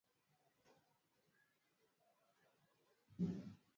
Kigali haijihusishi kwa namna yoyote na mashambulizi ya waasi hao nchini Demokrasia ya Kongo.